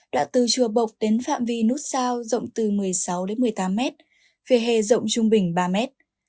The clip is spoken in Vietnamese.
đoạn từ chùa bộc đến phạm vi nút giao rộng từ một mươi sáu đến một mươi tám mét phía hề rộng trung bình ba mét